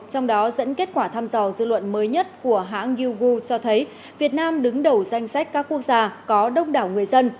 trong đó dẫn kết quả thăm dò dư luận mới nhất của hãng yougu cho thấy việt nam đứng đầu danh sách các quốc gia có đông đảo người dân